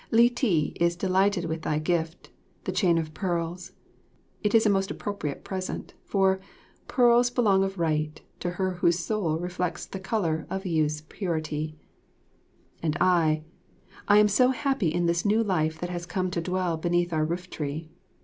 Li ti is delighted with thy gift, the chain of pearls. It is a most appropriate present, for "pearls belong of right to her whose soul reflects the colour of youth's purity"; and I, I am so happy in this new life that has come to dwell beneath our rooftree.